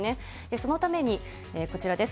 そのためにこちらです。